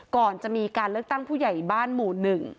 ก่อนจะมีการเลือกตั้งผู้ใหญ่บ้านหมู่๑